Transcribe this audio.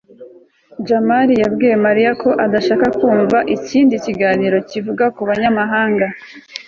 jamali yabwiye mariya ko adashaka kumva ikindi kiganiro kivuga ku banyamahanga